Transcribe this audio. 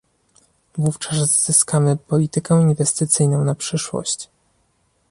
Wówczas zyskamy politykę inwestycyjną na przyszłość